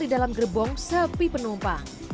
di dalam gerbong sepi penumpang